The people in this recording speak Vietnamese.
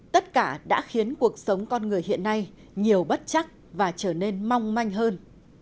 tất cả đã khiến cuộc sống con người hiện nay nhiều bất chắc và trở nên mong manh hơn